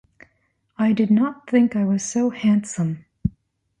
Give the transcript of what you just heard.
I did not think I was so handsome!